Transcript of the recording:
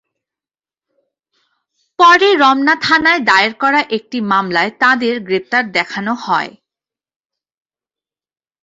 পরে রমনা থানায় দায়ের করা একটি মামলায় তাঁদের গ্রেপ্তার দেখানো হয়।